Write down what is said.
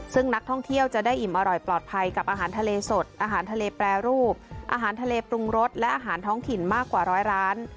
ซึ่งนักท่องเที่ยวจะได้อิ่มอร่อยปลอดภัยกับอาหารทะเลสดอาหารทะเลแปรรูปอาหารทะเลปรุงรสและอาหารท้องถิ่นมากกว่าร้อยร้าน